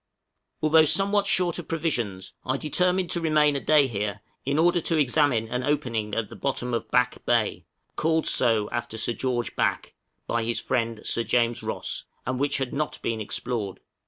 Although somewhat short of provisions, I determined to remain a day here in order to examine an opening at the Bottom of Back Bay, called so after Sir George Back, by his friend Sir James Ross, and which had not been explored.